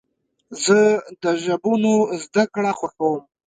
زه د ژبونو زدهکړه خوښوم.